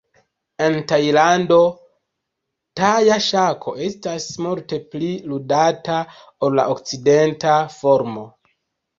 En Tajlando, taja ŝako estas multe pli ludata ol la okcidenta formo.